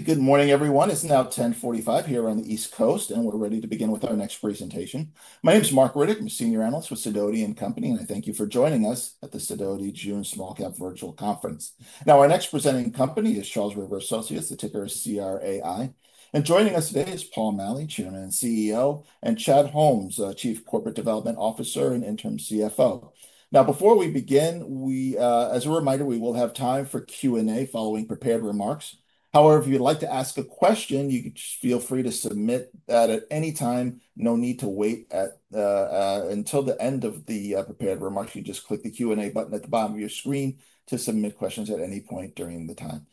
Good morning, everyone. It's now 10:45 here on the East Coast, and we're ready to begin with our next presentation. My name is Mark Riddick. I'm a senior analyst with Sidoti & Company, and I thank you for joining us at the Sidoti June Small Cap Virtual Conference. Now, our next presenting company is Charles River Associates, the ticker is CRAI. Joining us today is Paul Maleh, Chairman and CEO, and Chad Holmes, Chief Corporate Development Officer and Interim CFO. Now, before we begin, as a reminder, we will have time for Q&A following prepared remarks. However, if you'd like to ask a question, you could feel free to submit that at any time. No need to wait until the end of the prepared remarks. You just click the Q&A button at the bottom of your screen to submit questions at any point during the time.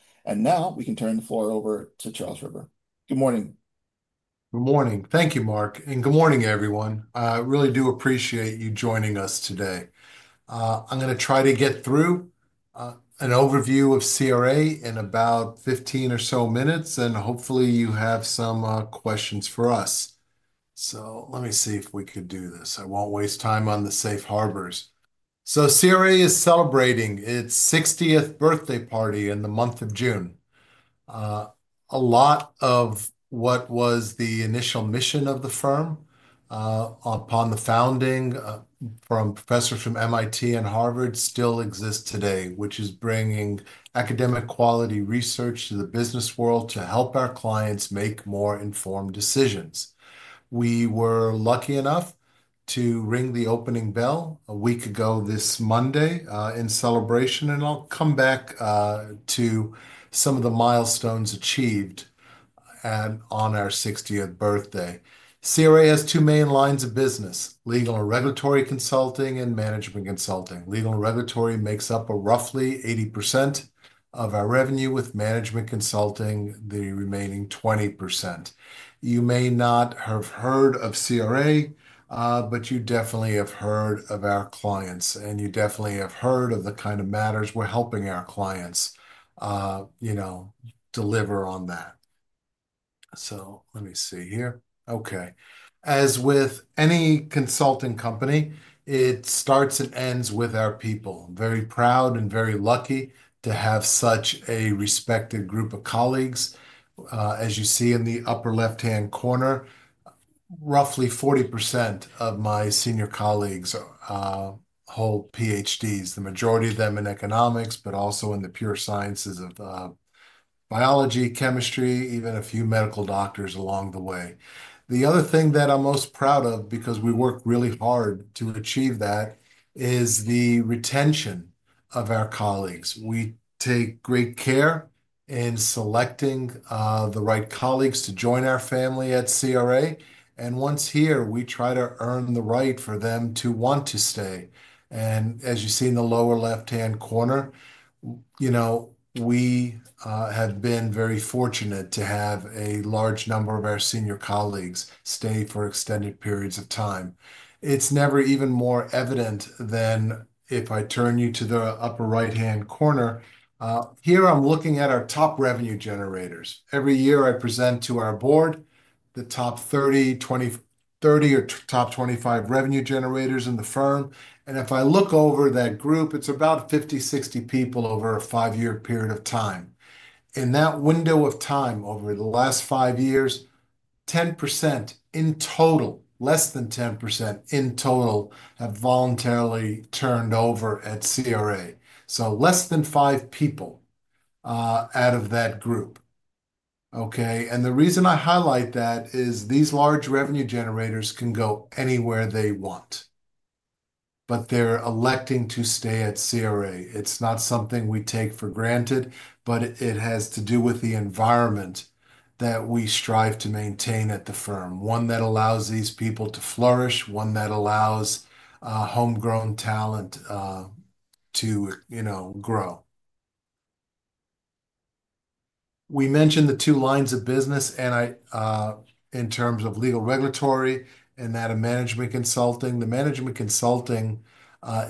We can turn the floor over to Charles River. Good morning. Good morning. Thank you, Mark, and good morning, everyone. I really do appreciate you joining us today. I'm going to try to get through an overview of CRA in about 15 or so minutes, and hopefully you have some questions for us. Let me see if we could do this. I won't waste time on the safe harbors. CRA is celebrating its 60th birthday party in the month of June. A lot of what was the initial mission of the firm upon the founding from professors from MIT and Harvard still exists today, which is bringing academic quality research to the business world to help our clients make more informed decisions. We were lucky enough to ring the opening bell a week ago this Monday in celebration, and I'll come back to some of the milestones achieved on our 60th birthday. CRA has two main lines of business: legal and regulatory consulting and management consulting. Legal and regulatory makes up roughly 80% of our revenue, with management consulting the remaining 20%. You may not have heard of CRA, but you definitely have heard of our clients, and you definitely have heard of the kind of matters we're helping our clients deliver on that. Let me see here. Okay. As with any consulting company, it starts and ends with our people. I'm very proud and very lucky to have such a respected group of colleagues. As you see in the upper left-hand corner, roughly 40% of my senior colleagues hold PhDs, the majority of them in economics, but also in the pure sciences of biology, chemistry, even a few medical doctors along the way. The other thing that I'm most proud of, because we work really hard to achieve that, is the retention of our colleagues. We take great care in selecting the right colleagues to join our family at CRA. Once here, we try to earn the right for them to want to stay. As you see in the lower left-hand corner, we have been very fortunate to have a large number of our senior colleagues stay for extended periods of time. It is never even more evident than if I turn you to the upper right-hand corner. Here I am looking at our top revenue generators. Every year I present to our board the top 30 or top 25 revenue generators in the firm. If I look over that group, it is about 50-60 people over a five-year period of time. In that window of time over the last five years, 10% in total, less than 10% in total, have voluntarily turned over at CRA. Less than five people out of that group. Okay. The reason I highlight that is these large revenue generators can go anywhere they want, but they're electing to stay at CRA. It's not something we take for granted, but it has to do with the environment that we strive to maintain at the firm, one that allows these people to flourish, one that allows homegrown talent to grow. We mentioned the two lines of business in terms of legal regulatory and that of management consulting. The management consulting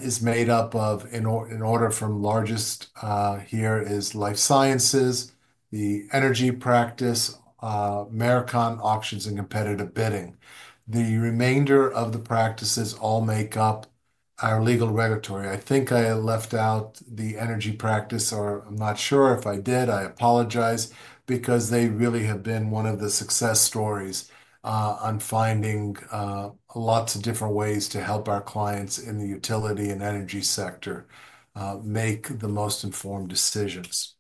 is made up of, in order from largest, here is life sciences, the energy practice, Maricon auctions, and competitive bidding. The remainder of the practices all make up our legal regulatory. I think I left out The Energy Practice, or I'm not sure if I did. I apologize because they really have been one of the success stories on finding lots of different ways to help our clients in the utility and energy sector make the most informed decisions.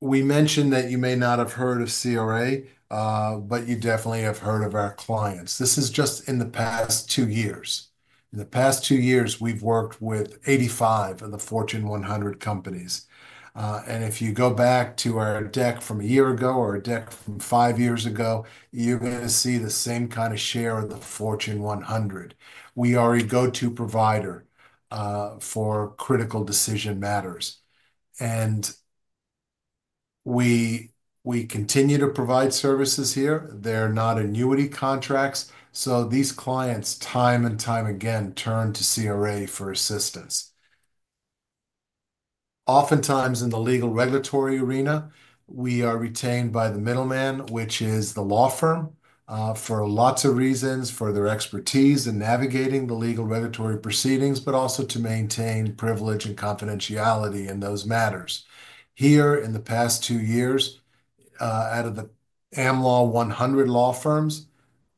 We mentioned that you may not have heard of CRA, but you definitely have heard of our clients. This is just in the past two years. In the past two years, we've worked with 85 of the Fortune 100 companies. If you go back to our deck from a year ago or a deck from five years ago, you're going to see the same kind of share of the Fortune 100. We are a go-to provider for critical decision matters. We continue to provide services here. They're not annuity contracts. These clients, time and time again, turn to CRA for assistance. Oftentimes, in the legal regulatory arena, we are retained by the middleman, which is the law firm, for lots of reasons, for their expertise in navigating the legal regulatory proceedings, but also to maintain privilege and confidentiality in those matters. Here, in the past two years, out of the AmLaw 100 law firms,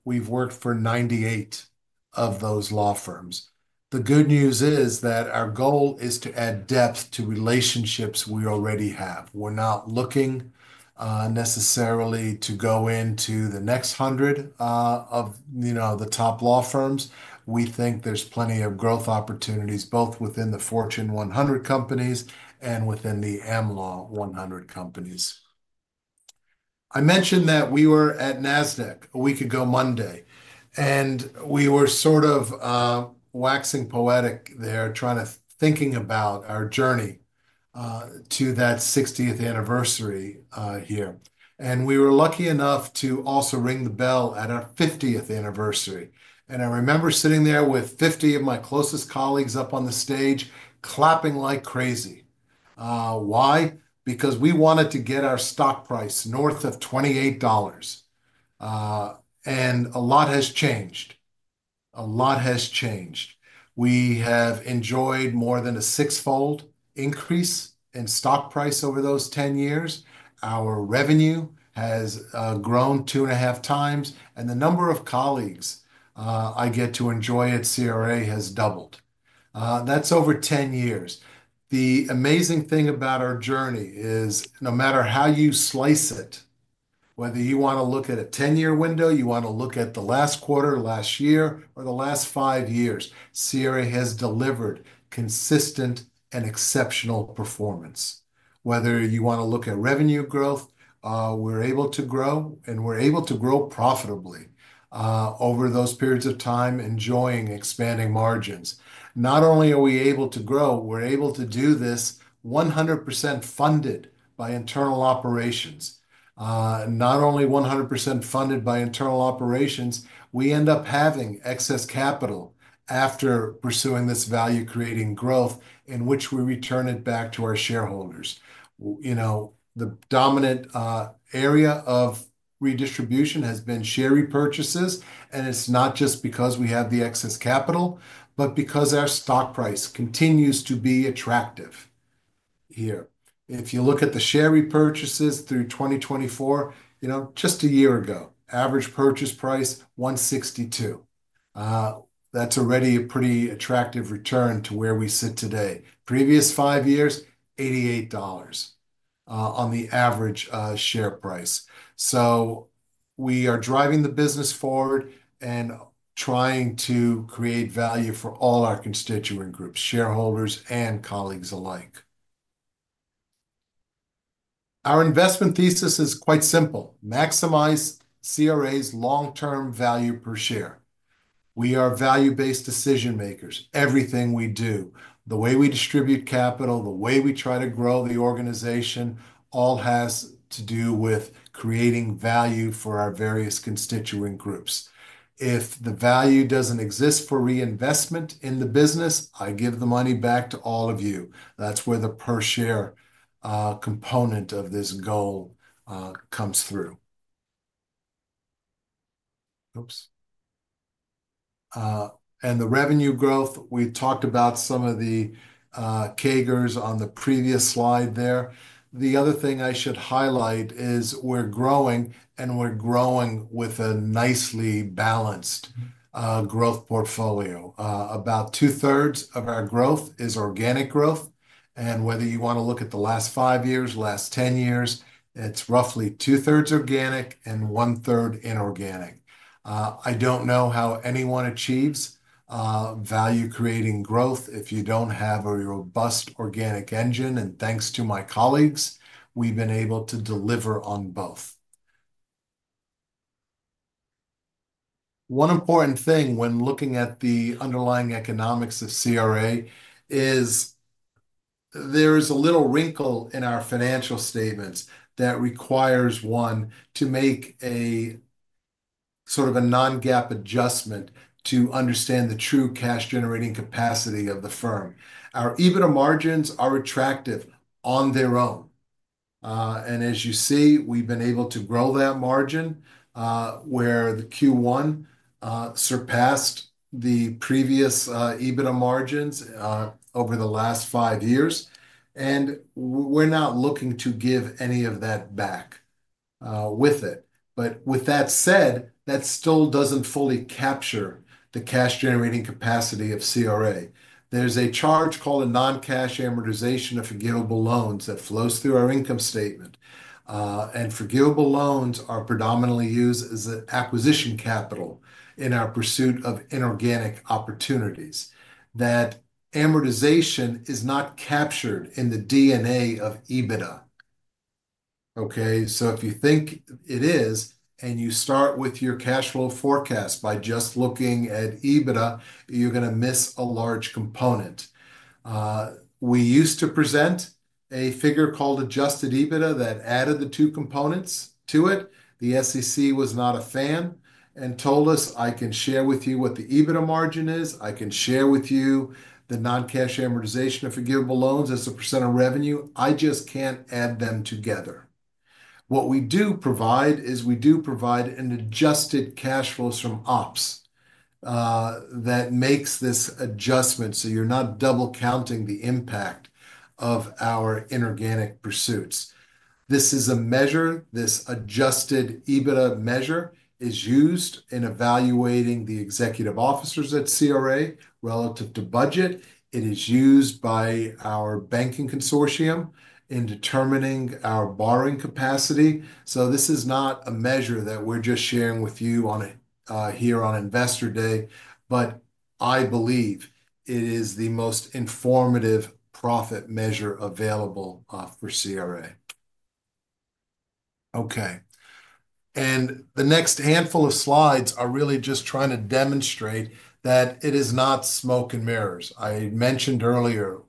we've worked for 98 of those law firms. The good news is that our goal is to add depth to relationships we already have. We're not looking necessarily to go into the next hundred of the top law firms. We think there's plenty of growth opportunities both within the Fortune 100 companies and within the AmLaw 100 companies. I mentioned that we were at NASDAQ a week ago Monday, and we were sort of waxing poetic there trying to think about our journey to that 60th anniversary here. We were lucky enough to also ring the bell at our 50th anniversary. I remember sitting there with 50 of my closest colleagues up on the stage clapping like crazy. Why? Because we wanted to get our stock price north of $28. A lot has changed. A lot has changed. We have enjoyed more than a sixfold increase in stock price over those 10 years. Our revenue has grown 2.5x. The number of colleagues I get to enjoy at CRA has doubled. That is over 10 years. The amazing thing about our journey is no matter how you slice it, whether you want to look at a 10-year window, you want to look at the last quarter, last year, or the last five years, CRA has delivered consistent and exceptional performance. Whether you want to look at revenue growth, we're able to grow, and we're able to grow profitably over those periods of time, enjoying expanding margins. Not only are we able to grow, we're able to do this 100% funded by internal operations. Not only 100% funded by internal operations, we end up having excess capital after pursuing this value-creating growth in which we return it back to our shareholders. The dominant area of redistribution has been share repurchases, and it's not just because we have the excess capital, but because our stock price continues to be attractive here. If you look at the share repurchases through 2024, just a year ago, average purchase price $162. That's already a pretty attractive return to where we sit today. Previous five years, $88 on the average share price. We are driving the business forward and trying to create value for all our constituent groups, shareholders and colleagues alike. Our investment thesis is quite simple: maximize CRA's long-term value per share. We are value-based decision-makers. Everything we do, the way we distribute capital, the way we try to grow the organization, all has to do with creating value for our various constituent groups. If the value doesn't exist for reinvestment in the business, I give the money back to all of you. That's where the per-share component of this goal comes through. Oops. The revenue growth, we talked about some of the CAGRs on the previous slide there. The other thing I should highlight is we're growing, and we're growing with a nicely balanced growth portfolio. About 2/3 of our growth is organic growth. And whether you want to look at the last five years, last 10 years, it's roughly 2/3 organic and 1/3 inorganic. I don't know how anyone achieves value-creating growth if you don't have a robust organic engine. And thanks to my colleagues, we've been able to deliver on both. One important thing when looking at the underlying economics of CRA is there is a little wrinkle in our financial statements that requires one to make a sort of a non-GAAP adjustment to understand the true cash-generating capacity of the firm. Our EBITDA margins are attractive on their own. And as you see, we've been able to grow that margin where the Q1 surpassed the previous EBITDA margins over the last five years. We're not looking to give any of that back with it. With that said, that still doesn't fully capture the cash-generating capacity of CRA. There's a charge called a non-cash amortization of forgivable loans that flows through our income statement. Forgivable loans are predominantly used as acquisition capital in our pursuit of inorganic opportunities. That amortization is not captured in the DNA of EBITDA. Okay? If you think it is, and you start with your cash flow forecast by just looking at EBITDA, you're going to miss a large component. We used to present a figure called adjusted EBITDA that added the two components to it. The SEC was not a fan and told us, "I can share with you what the EBITDA margin is. I can share with you the non-cash amortization of forgivable loans as a percent of revenue. I just can't add them together. What we do provide is we do provide an adjusted cash flow from ops that makes this adjustment so you're not double-counting the impact of our inorganic pursuits. This is a measure. This adjusted EBITDA measure is used in evaluating the executive officers at CRA relative to budget. It is used by our banking consortium in determining our borrowing capacity. This is not a measure that we're just sharing with you here on Investor Day, but I believe it is the most informative profit measure available for CRA. Okay. The next handful of slides are really just trying to demonstrate that it is not smoke and mirrors. I mentioned earlier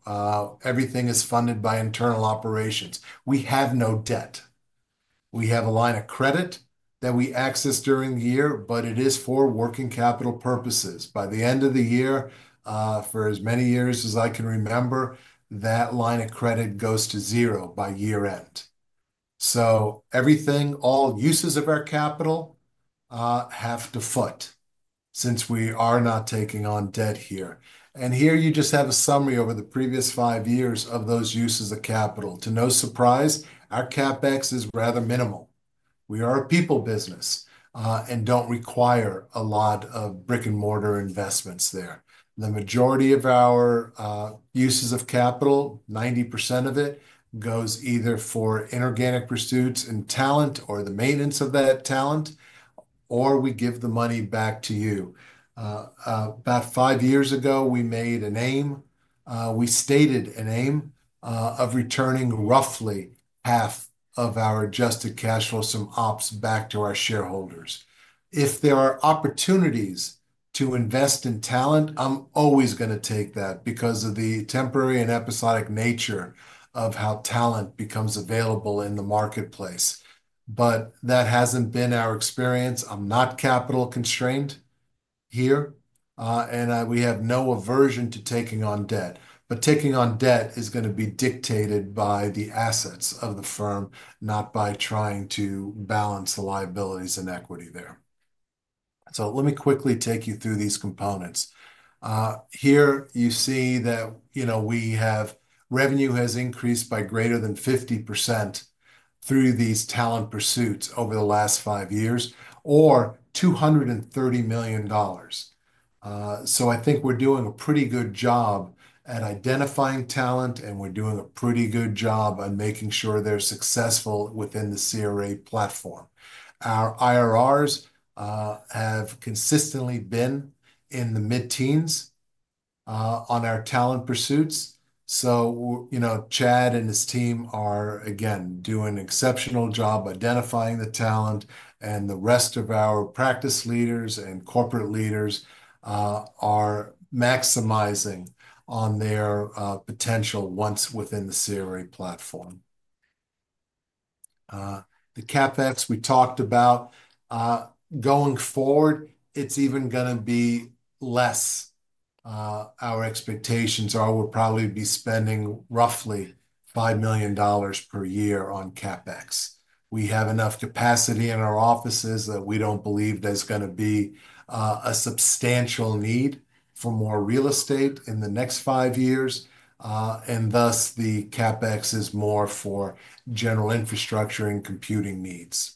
everything is funded by internal operations. We have no debt. We have a line of credit that we access during the year, but it is for working capital purposes. By the end of the year, for as many years as I can remember, that line of credit goes to zero by year-end. All uses of our capital have to foot since we are not taking on debt here. Here you just have a summary over the previous five years of those uses of capital. To no surprise, our CapEx is rather minimal. We are a people business and do not require a lot of brick-and-mortar investments there. The majority of our uses of capital, 90% of it, goes either for inorganic pursuits and talent or the maintenance of that talent, or we give the money back to you. About five years ago, we made an aim. We stated an aim of returning roughly half of our adjusted cash flow from ops back to our shareholders. If there are opportunities to invest in talent, I'm always going to take that because of the temporary and episodic nature of how talent becomes available in the marketplace. That hasn't been our experience. I'm not capital constrained here, and we have no aversion to taking on debt. Taking on debt is going to be dictated by the assets of the firm, not by trying to balance the liabilities and equity there. Let me quickly take you through these components. Here you see that we have revenue has increased by greater than 50% through these talent pursuits over the last five years or $230 million. I think we're doing a pretty good job at identifying talent, and we're doing a pretty good job at making sure they're successful within the CRA platform. Our IRRs have consistently been in the mid-teens on our talent pursuits. Chad and his team are, again, doing an exceptional job identifying the talent, and the rest of our practice leaders and corporate leaders are maximizing on their potential once within the CRA platform. The CapEx we talked about, going forward, it's even going to be less. Our expectations are we'll probably be spending roughly $5 million per year on CapEx. We have enough capacity in our offices that we do not believe there is going to be a substantial need for more real estate in the next five years. Thus, the CapEx is more for general infrastructure and computing needs.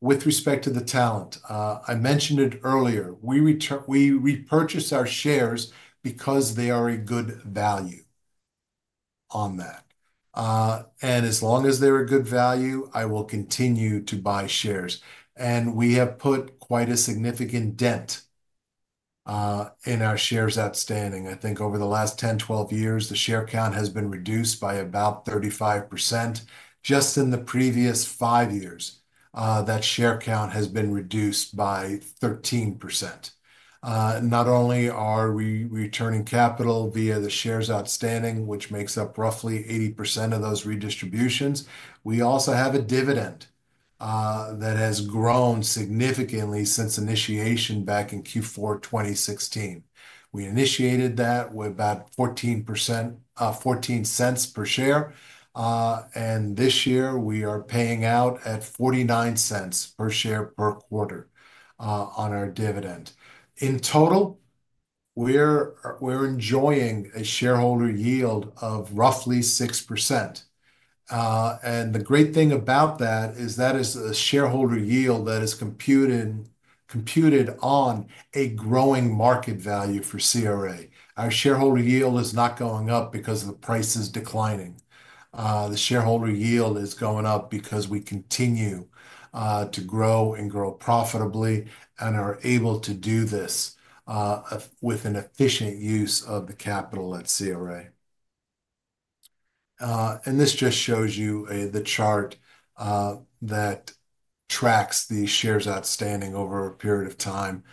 With respect to the talent, I mentioned it earlier. We repurchase our shares because they are a good value on that. As long as they are a good value, I will continue to buy shares. We have put quite a significant dent in our shares outstanding. I think over the last 10-12 years, the share count has been reduced by about 35%. Just in the previous five years, that share count has been reduced by 13%. Not only are we returning capital via the shares outstanding, which makes up roughly 80% of those redistributions, we also have a dividend that has grown significantly since initiation back in Q4 2016. We initiated that with about $0.14 per share. This year, we are paying out at $0.49 per share per quarter on our dividend. In total, we are enjoying a shareholder yield of roughly 6%. The great thing about that is that is a shareholder yield that is computed on a growing market value for CRA. Our shareholder yield is not going up because the price is declining. The shareholder yield is going up because we continue to grow and grow profitably and are able to do this with an efficient use of the capital at CRA. This just shows you the chart that tracks the shares outstanding over a period of time.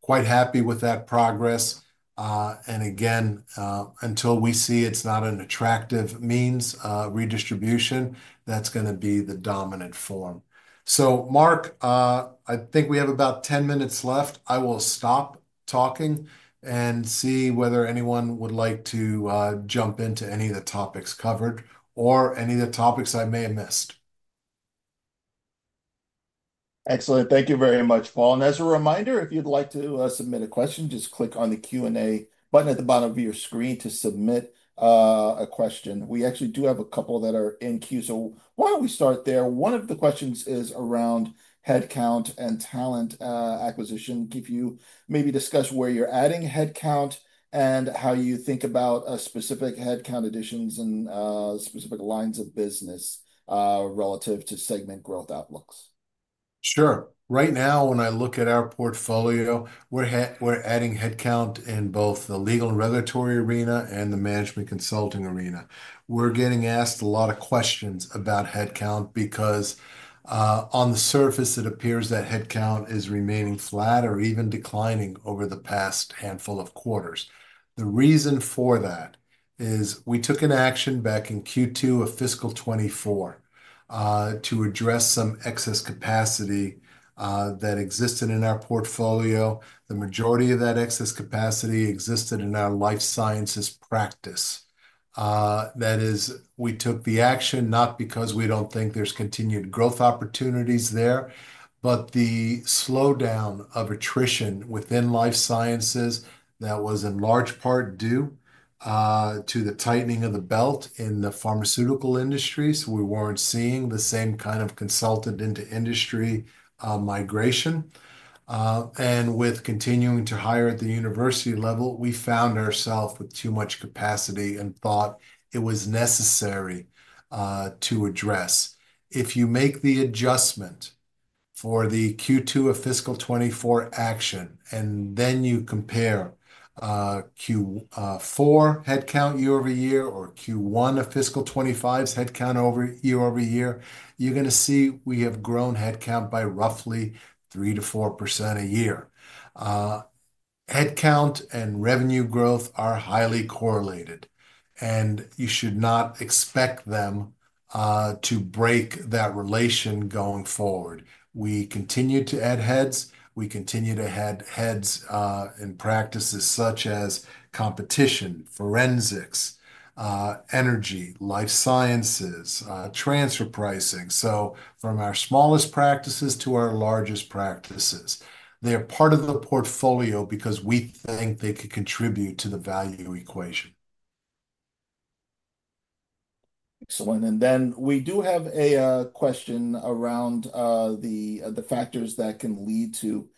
Quite happy with that progress. Again, until we see it is not an attractive means of redistribution, that is going to be the dominant form. Mark, I think we have about 10 minutes left. I will stop talking and see whether anyone would like to jump into any of the topics covered or any of the topics I may have missed. Excellent. Thank you very much, Paul. As a reminder, if you would like to submit a question, just click on the Q&A button at the bottom of your screen to submit a question. We actually do have a couple that are in queue. Why do not we start there? One of the questions is around headcount and talent acquisition. Can you maybe discuss where you are adding headcount and how you think about specific headcount additions and specific lines of business relative to segment growth outlooks? Sure. Right now, when I look at our portfolio, we are adding headcount in both the legal and regulatory arena and the management consulting arena. We are getting asked a lot of questions about headcount because on the surface, it appears that headcount is remaining flat or even declining over the past handful of quarters. The reason for that is we took an action back in Q2 of fiscal 2024 to address some excess capacity that existed in our portfolio. The majority of that excess capacity existed in our life sciences practice. That is, we took the action not because we do not think there are continued growth opportunities there, but the slowdown of attrition within life sciences that was in large part due to the tightening of the belt in the pharmaceutical industries. We were not seeing the same kind of consultant into industry migration. With continuing to hire at the university level, we found ourselves with too much capacity and thought it was necessary to address. If you make the adjustment for the Q2 of fiscal 2024 action, and then you compare Q4 headcount year-over-year or Q1 of fiscal 2025's headcount year-over-year, you are going to see we have grown headcount by roughly 3%-4% a year. Headcount and revenue growth are highly correlated, and you should not expect them to break that relation going forward. We continue to add heads. We continue to add heads in practices such as competition, forensics, energy, life sciences, transfer pricing. From our smallest practices to our largest practices, they are part of the portfolio because we think they could contribute to the value equation. Excellent. We do have a question around the factors that can lead to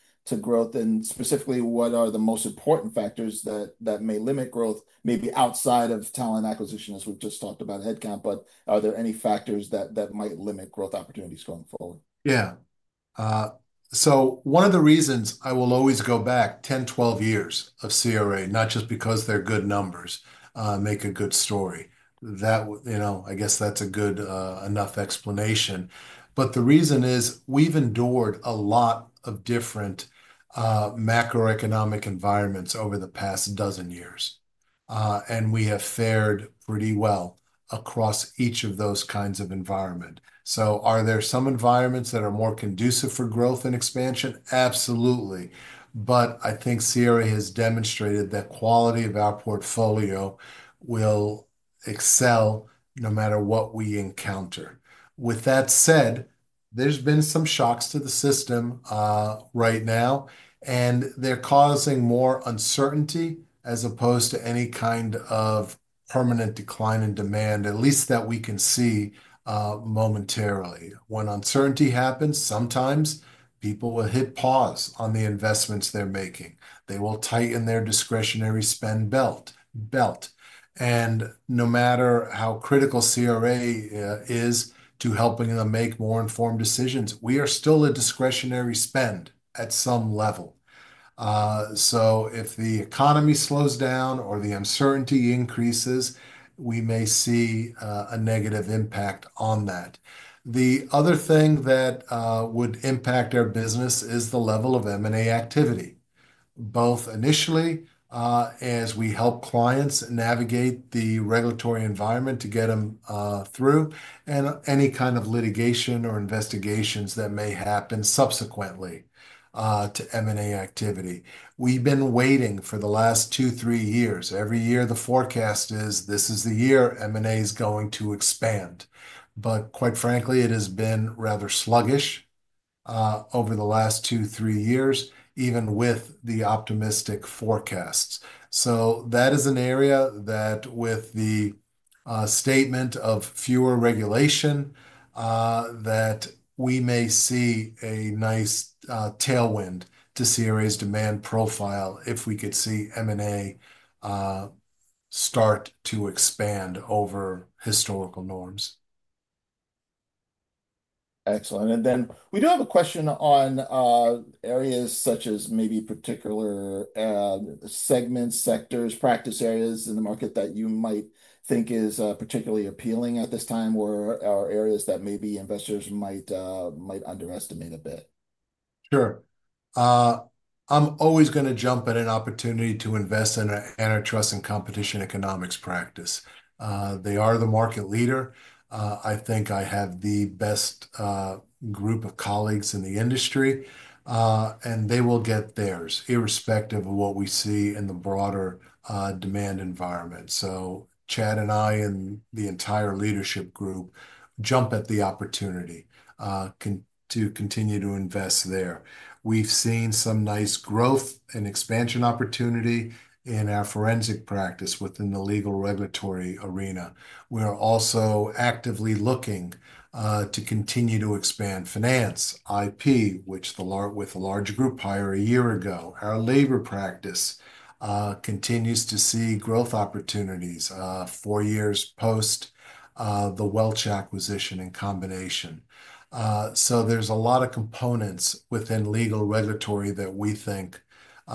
growth, and specifically, what are the most important factors that may limit growth, maybe outside of talent acquisition, as we have just talked about headcount, but are there any factors that might limit growth opportunities going forward? Yeah. One of the reasons I will always go back 10, 12 years of CRA, not just because they are good numbers, make a good story. I guess that is a good enough explanation. The reason is we've endured a lot of different macroeconomic environments over the past dozen years, and we have fared pretty well across each of those kinds of environments. Are there some environments that are more conducive for growth and expansion? Absolutely. I think CRA has demonstrated that the quality of our portfolio will excel no matter what we encounter. With that said, there's been some shocks to the system right now, and they're causing more uncertainty as opposed to any kind of permanent decline in demand, at least that we can see momentarily. When uncertainty happens, sometimes people will hit pause on the investments they're making. They will tighten their discretionary spend belt. No matter how critical CRA is to helping them make more informed decisions, we are still a discretionary spend at some level. If the economy slows down or the uncertainty increases, we may see a negative impact on that. The other thing that would impact our business is the level of M&A activity, both initially as we help clients navigate the regulatory environment to get them through, and any kind of litigation or investigations that may happen subsequently to M&A activity. We've been waiting for the last two, three years. Every year, the forecast is, "This is the year M&A is going to expand." Quite frankly, it has been rather sluggish over the last two, three years, even with the optimistic forecasts. That is an area that, with the statement of fewer regulation, we may see a nice tailwind to CRA's demand profile if we could see M&A start to expand over historical norms. Excellent. We do have a question on areas such as maybe particular segments, sectors, practice areas in the market that you might think is particularly appealing at this time or areas that maybe investors might underestimate a bit. Sure. I'm always going to jump at an opportunity to invest in an antitrust and competition economics practice. They are the market leader. I think I have the best group of colleagues in the industry, and they will get theirs, irrespective of what we see in the broader demand environment. Chad and I and the entire leadership group jump at the opportunity to continue to invest there. We've seen some nice growth and expansion opportunity in our forensic practice within the legal regulatory arena. We are also actively looking to continue to expand finance, IP, with a large group hire a year ago. Our labor practice continues to see growth opportunities four years post the Welch acquisition and combination. There are a lot of components within legal regulatory that we think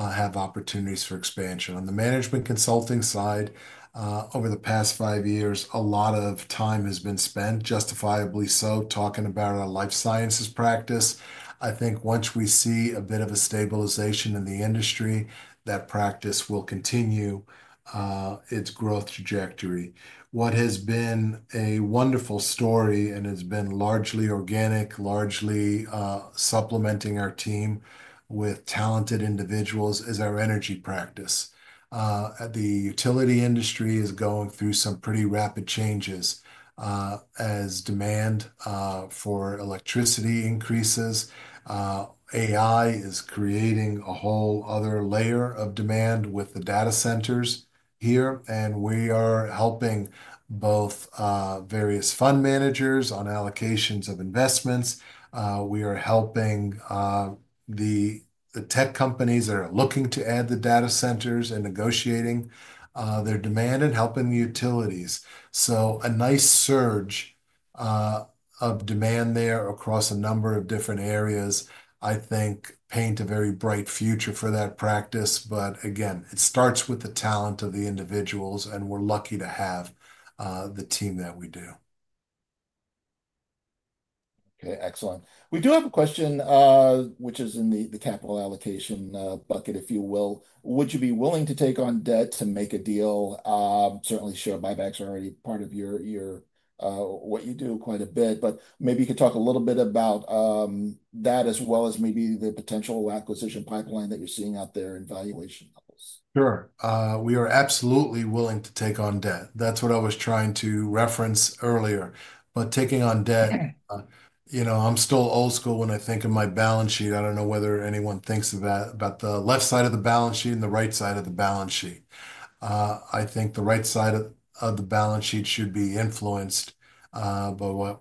have opportunities for expansion. On the management consulting side, over the past five years, a lot of time has been spent, justifiably so, talking about our life sciences practice. I think once we see a bit of a stabilization in the industry, that practice will continue its growth trajectory. What has been a wonderful story and has been largely organic, largely supplementing our team with talented individuals, is our energy practice. The utility industry is going through some pretty rapid changes as demand for electricity increases. AI is creating a whole other layer of demand with the data centers here, and we are helping both various fund managers on allocations of investments. We are helping the tech companies that are looking to add the data centers and negotiating their demand and helping the utilities. A nice surge of demand there across a number of different areas, I think, paint a very bright future for that practice. Again, it starts with the talent of the individuals, and we're lucky to have the team that we do. Okay. Excellent. We do have a question, which is in the capital allocation bucket, if you will. Would you be willing to take on debt to make a deal? Certainly, share buybacks are already part of what you do quite a bit. Maybe you could talk a little bit about that as well as maybe the potential acquisition pipeline that you're seeing out there in valuation levels. Sure. We are absolutely willing to take on debt. That's what I was trying to reference earlier. Taking on debt, I'm still old school when I think of my balance sheet. I don't know whether anyone thinks about the left side of the balance sheet and the right side of the balance sheet. I think the right side of the balance sheet should be influenced by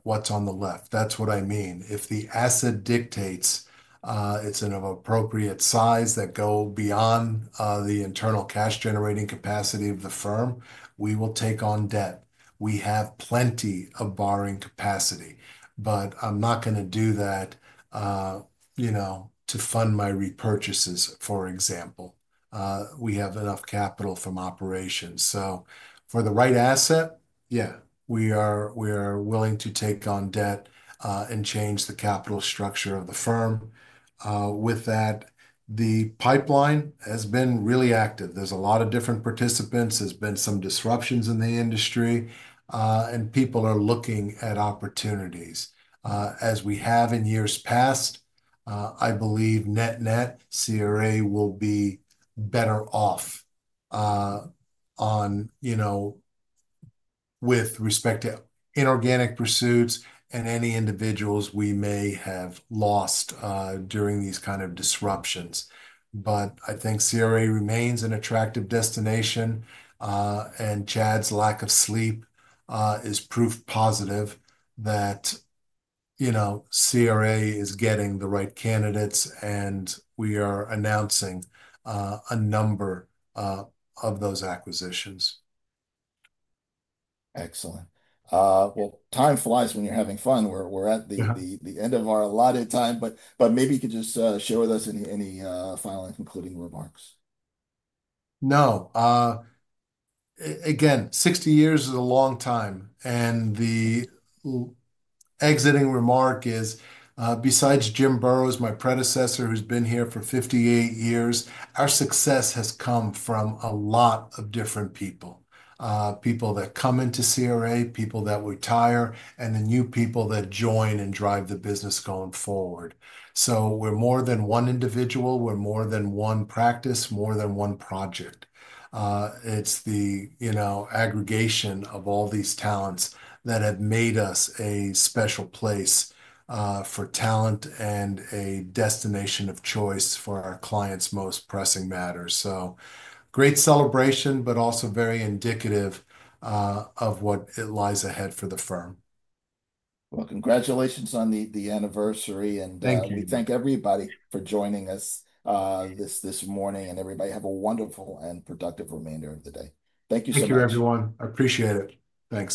what's on the left. That's what I mean. If the asset dictates it's an appropriate size that goes beyond the internal cash-generating capacity of the firm, we will take on debt. We have plenty of borrowing capacity. I'm not going to do that to fund my repurchases, for example. We have enough capital from operations. For the right asset, yeah, we are willing to take on debt and change the capital structure of the firm. With that, the pipeline has been really active. There's a lot of different participants. There's been some disruptions in the industry, and people are looking at opportunities. As we have in years past, I believe net-net CRA will be better off with respect to inorganic pursuits and any individuals we may have lost during these kinds of disruptions. I think CRA remains an attractive destination, and Chad's lack of sleep is proof positive that CRA is getting the right candidates, and we are announcing a number of those acquisitions. Excellent. Time flies when you're having fun. We're at the end of our allotted time. Maybe you could just share with us any final and concluding remarks. No. Again, 60 years is a long time. The exiting remark is, besides Jim Burrows, my predecessor, who's been here for 58 years, our success has come from a lot of different people: people that come into CRA, people that retire, and the new people that join and drive the business going forward. We are more than one individual. We are more than one practice, more than one project. It is the aggregation of all these talents that have made us a special place for talent and a destination of choice for our clients' most pressing matters. Great celebration, but also very indicative of what lies ahead for the firm. Congratulations on the anniversary. We thank everybody for joining us this morning. Everybody, have a wonderful and productive remainder of the day. Thank you so much. Thank you, everyone. I appreciate it. Thanks.